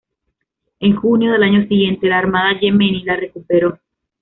En junio del año siguiente, la Armada yemení la recuperó.